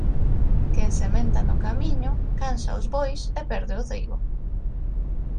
Quen sementa no camiño cansa os bois e perde o trigo